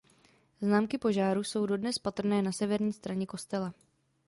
Známky požáru jsou dodnes patrné na severní straně kostela.